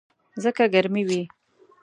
ځکه ګرمي وي.